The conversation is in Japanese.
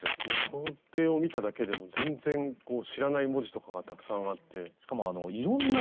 工程を見ただけでも全然知らない文字とかがたくさんあって。ね？